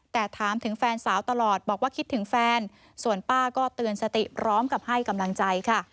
แต่ถามถึงแฟนสาวตลอดบอกว่าคิดถึงแฟนส่วนป้าก็เตือนสติพร้อมกับให้กำลังใจค่ะ